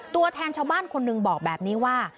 ตัวแทนชาวบ้านคนหนึ่งบอกแบบนี้ว่า